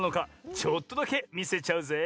ちょっとだけみせちゃうぜい！